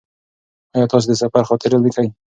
ایا تاسې د سفر خاطرې لیکئ؟